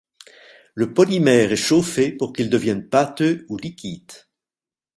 Le polymère est chauffé pour qu'il devienne pâteux ou liquide.